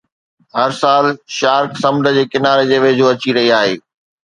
هر سال شارڪ سمنڊ جي ڪناري جي ويجهو اچي رهي آهي